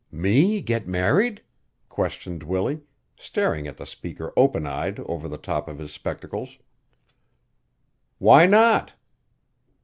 "Me get married?" questioned Willie, staring at the speaker open eyed over the top of his spectacles. "Why not?"